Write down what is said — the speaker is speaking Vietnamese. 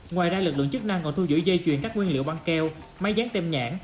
ngoài ra lực lượng chức năng còn thu giữ dây chuyền các nguyên liệu băng keo máy dán tem nhãn